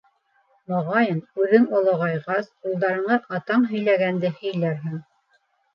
- Моғайын, үҙең олоғайғас, улдарыңа атаң һөйләгәнде һөйләрһең.